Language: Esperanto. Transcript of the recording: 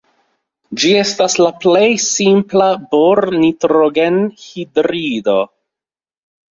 Ĝi estas la plej simpla bor-nitrogen-hidrido.